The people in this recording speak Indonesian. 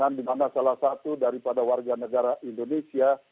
yang pertama salah satu daripada warga negara indonesia